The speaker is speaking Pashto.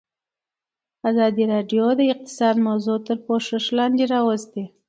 ازادي راډیو د اقتصاد موضوع تر پوښښ لاندې راوستې.